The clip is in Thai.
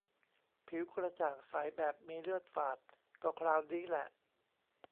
ผิวกระจ่างใสแบบมีเลือดฝาดก็คราวนี้แหละ